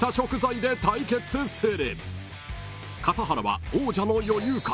［笠原は王者の余裕か？］